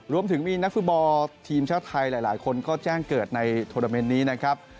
รวมถึงมีนักฟุตบอลทีมชาติไทยหลายคนก็แจ้งเกิดในโทรเมนต์นี้นะครับ